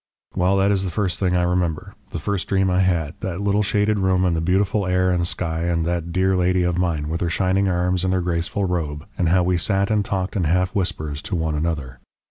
"Well, that is the first thing I remember, the first dream I had, that little shaded room and the beautiful air and sky and that dear lady of mine, with her shining arms and her graceful robe, and how we sat and talked in half whispers to one another.